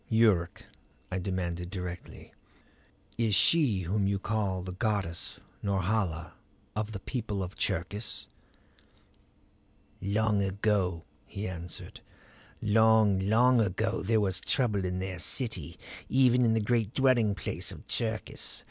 "Yuruk," I demanded directly, "is she whom you call goddess Norhala of the people of Cherkis?" "Long ago," he answered; "long, long ago there was trouble in their city, even in the great dwelling place of Cherkis.